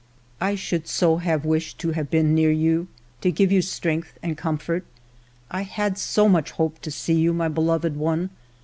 " I should so much have wished to have been near you, to give you strength and comfort ; I had so much hoped to see you, my beloved one.